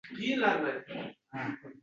Shu tariqa gamlar yutadi